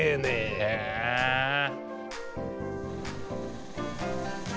へえ！